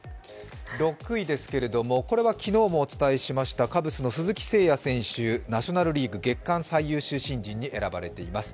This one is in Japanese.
６位ですけれども、これは昨日もお伝えしました、カブスの鈴木誠也選手、ナショナル・リーグの月間最優秀新人に選ばれています。